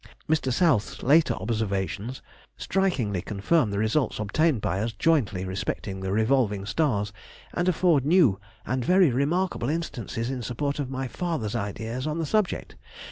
Mr. South's later observations strikingly confirm the results obtained by us jointly respecting the revolving stars, and afford new and very remarkable instances in support of my father's ideas on this subject.